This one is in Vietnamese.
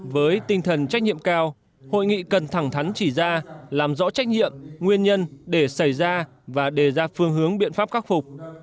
với tinh thần trách nhiệm cao hội nghị cần thẳng thắn chỉ ra làm rõ trách nhiệm nguyên nhân để xảy ra và đề ra phương hướng biện pháp khắc phục